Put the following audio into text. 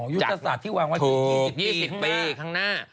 ยุทธศาสตร์ที่วางวางอยู่๒๐ปีได้ข้างหน้าถูก๒๐ปี